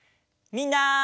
みんな。